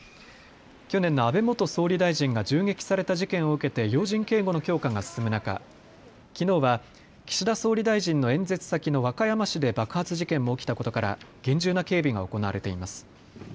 去年の安倍元総理大臣が銃撃された事件を受けて要人警護の強化が進む中、きのうは岸田総理大臣の演説先の和歌山市で爆発事件も起きたことから厳重な警備が行われています。